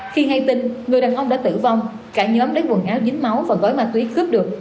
khi ngay tin người đàn ông đã tử vong cả nhóm đã quần áo dính máu và gói ma túy cướp được